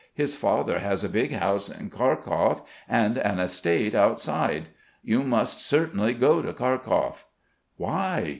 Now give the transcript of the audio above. His father has a big house in Kharkov and an estate outside. You must certainly go to Kharkov." "Why?"